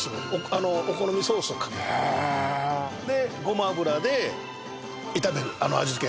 あのお好みソースをかけるでごま油で炒めるあの味付け